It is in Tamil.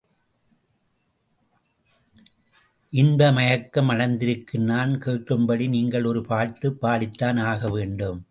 இன்ப மயக்கம் அடைந்திருக்கும் நான் கேட்கும்படி நீங்கள் ஒரு பாட்டுப் பாடித்தான் ஆகவேண்டும்.